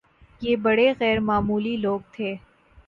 یہ بڑے غیرمعمولی لوگ تھے